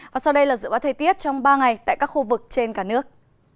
và sau đây là dự báo thời tiết trong ba ngày tại các khu vực trên cả nước